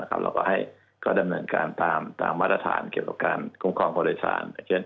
เราก็ให้เขาดำเนินการตามมาตรฐานเกี่ยวกับการคุ้มครองผู้โดยสาร